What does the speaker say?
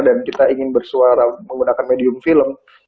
dan kita ingin bersuara menggunakan medium film